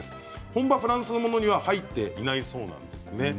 本場フランスのものには入っていないそうなんですね。